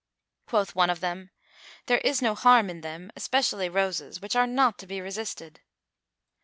Quoth one of them, "There is no harm in them,[FN#413] especially roses, which are not to be resisted."